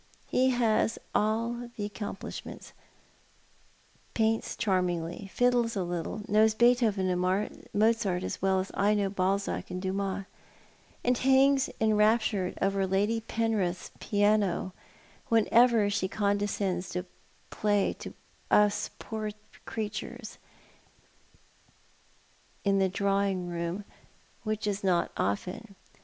He has all the accomplishments— paints charmingly, fiddles a little, knows Beethoven and Mozart as well as I know Balzac and Dumas — and hangs enraptured over Lady Penrith's piano whenever she condescends to play to us poor creatures in the drawing room, which is not often.